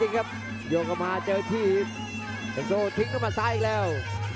จริงครับโยงกลับมาเจอทีพเอ็นโซทิ้งเข้ามาซ้ายอีกแล้ว